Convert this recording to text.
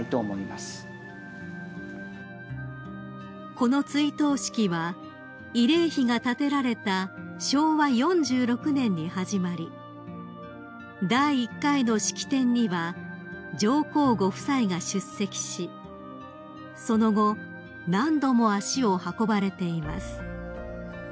［この追悼式は慰霊碑が建てられた昭和４６年に始まり第１回の式典には上皇ご夫妻が出席しその後何度も足を運ばれています］